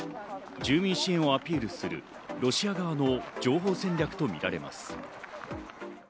住民支援をアピールするロシア側の情報戦略とみられます。